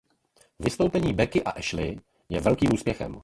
Vystoupení Becky a Ashley je velkým úspěchem.